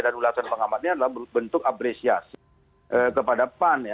dan ulasan pengamatnya adalah bentuk apresiasi kepada pan